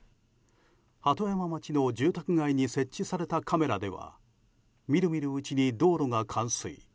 鳩山町の住宅街に設置されたカメラでは見る見るうちに道路が冠水。